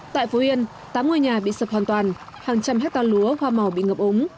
tại phú yên tám ngôi nhà bị sập hoàn toàn hàng trăm hecta lúa hoa màu bị ngập úng